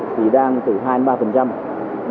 thì đang từ hai đến ba